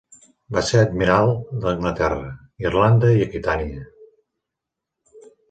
Va ser Admiral d'Anglaterra, Irlanda i Aquitània.